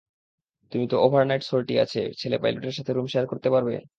তুমি তো overnight sortie আছে ছেলে পাইলটদের সাথে রুম শেয়ার করতে পারবে?